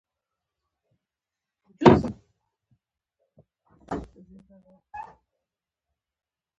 دا کانال به افغانستان خودکفا کړي.